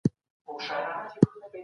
تاریخي څیړنه ډېره ګټوره ده.